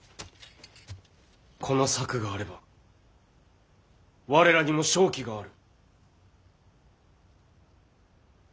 この策があれば我らにも勝機がある。